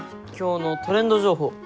今日のトレンド情報。